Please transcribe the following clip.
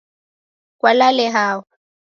Kwalale hao